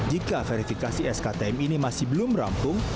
jika verifikasi sktm ini masih belum rampung